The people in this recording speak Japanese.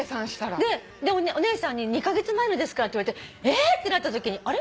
お姉さんに「２カ月前のですから」って言われてえっ！？ってなったときにあれ？